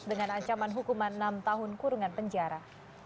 dengan ancaman hukuman enam tahun kurungan penjara